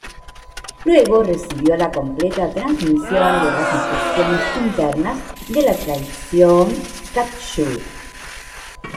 Luego recibió la completa transmisión de las instrucciones internas de la tradición Kagyu.